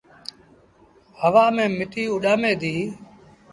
هوآ ميݩ مٽيٚ اُڏآمي ديٚ۔